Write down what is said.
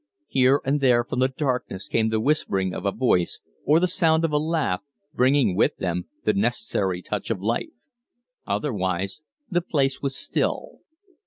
Here and there from the darkness came the whispering of a voice or the sound of a laugh, bringing with them the necessary touch of life. Otherwise the place was still.